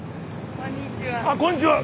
あっこんにちは。